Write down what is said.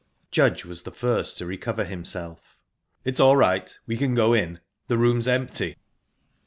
Judge was the first to recover himself. "It's all right, we can go in. The room's empty."